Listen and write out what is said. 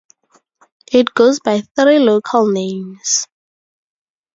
It goes by three local names.